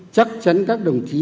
chắc chắn các đồng chí